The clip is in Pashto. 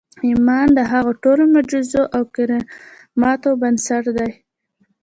ایمان د هغو ټولو معجزو او کراماتو بنسټ دی